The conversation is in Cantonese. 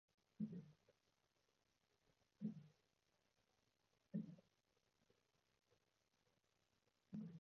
跟住頭先過安檢，因為啲帆立貝有汁有水份，所以被人收咗唔帶得走